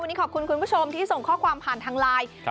วันนี้ขอบคุณคุณผู้ชมที่ส่งข้อความผ่านทางไลน์